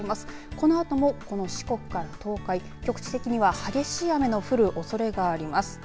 このあとも、この四国から東海局地的には激しい雨の降るおそれがあります。